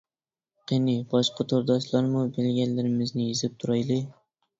قېنى باشقا تورداشلارمۇ بىلگەنلىرىمىزنى يېزىپ تۇرايلى.